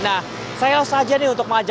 nah saya langsung saja nih untuk mengajak